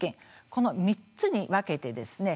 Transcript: この３つに分けてですね